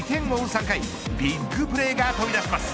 ３回ビッグプレーが飛び出します。